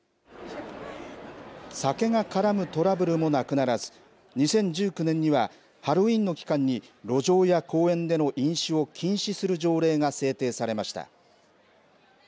酒が絡むトラブルもなくならず２０１９年にはハロウィーンの期間に路上や公園での飲酒を禁止する条例が制定されました。